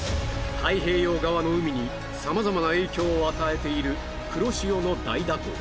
太平洋側の海にさまざまな影響を与えている「黒潮の大蛇行」